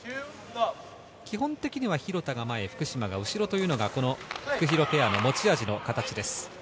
基本的には廣田が前、福島が後ろというのがフクヒロペアの持ち味です。